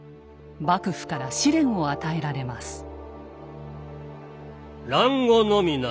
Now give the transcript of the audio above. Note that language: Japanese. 幕府から試練を与えられます。